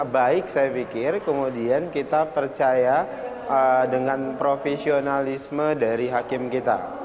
baik saya pikir kemudian kita percaya dengan profesionalisme dari hakim kita